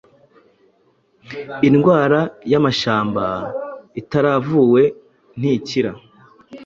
indwara y’amashamba itaravuwe ntikira